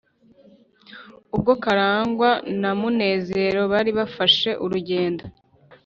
ubwo karangwa na munezero bari bafashe urugendo